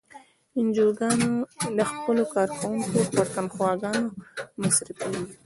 انجوګانې د خپلو کارکوونکو پر تنخواګانو مصرفیږي.